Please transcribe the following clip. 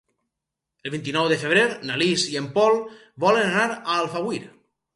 El vint-i-nou de febrer na Lis i en Pol volen anar a Alfauir.